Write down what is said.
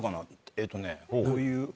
えっとねこういう。